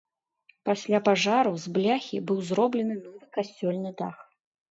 Пасля пажару з бляхі быў зроблены новы касцёльны дах.